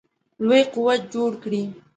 لوی قوت جوړ کړي.